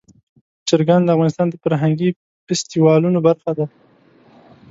چرګان د افغانستان د فرهنګي فستیوالونو برخه ده.